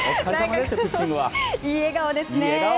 いい笑顔ですね。